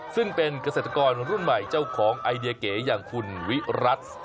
ซึ่งเป็นเกษตรกรรุ่นใหม่เจ้าของไอเดียเก๋อย่างคุณวิรัติ